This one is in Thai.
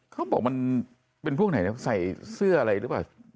เขาบอกมันเป็นพวกไหนนะใส่เสื้ออะไรหรือเปล่า